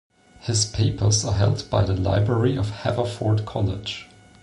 His papers are held by the library of Haverford College.